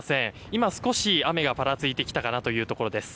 今、少し雨がぱらついてきたかなというところです。